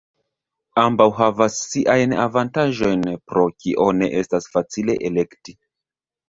Ambaŭ havas siajn avantaĝojn, pro kio ne estas facile elekti.